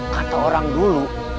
kata orang dulu